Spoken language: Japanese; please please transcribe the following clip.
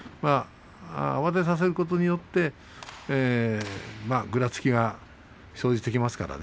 慌てさせることによってぐらつきが生じてきますからね。